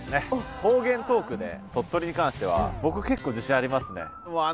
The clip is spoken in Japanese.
方言トークで鳥取に関しては僕結構自信ありますね。